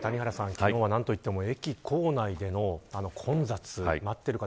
昨日は何と言っても駅構内での混雑、待ってる方